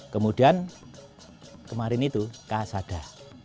kemudian kemarin itu kasada